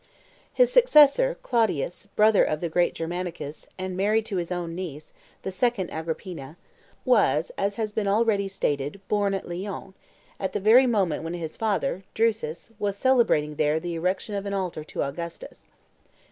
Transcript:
His successor, Claudius, brother of the great Germanicus, and married to his own niece, the second Agrippina, was, as has been already stated, born at Lyons, at the very moment when his father, Drusus, was celebrating there the erection of an altar to Augustus.